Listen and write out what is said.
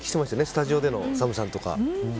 スタジオでのＳＡＭさんとか。